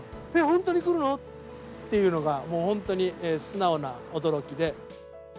本当に来るの？っていうのが、もう本当に、素直な驚きで。